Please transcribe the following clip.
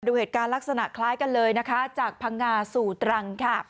เหตุการณ์ลักษณะคล้ายกันเลยนะคะจากพังงาสู่ตรังค่ะ